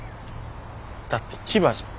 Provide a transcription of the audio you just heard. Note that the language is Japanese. だって千葉じゃん。